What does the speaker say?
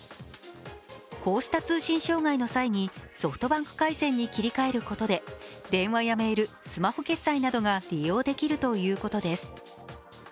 こうした通信障害の際にソフトバンク回線に切り替えることで電話やメール、スマホ決済などが利用できるということです。